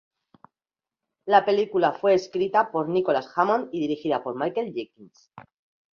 La película fue escrita por Nicholas Hammond y dirigida por Michael Jenkins.